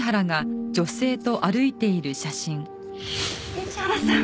市原さん。